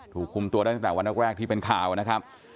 ถูกคุมตัวได้ตั้งแต่วันแรกที่เป็นข่าวนะครับ